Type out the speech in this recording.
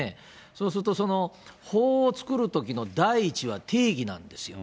そうすると、その法を作るときの第一は定義なんですよ。